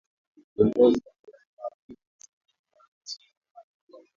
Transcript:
viongozi wa kiraia wa Kivu Kaskazini na Ituri na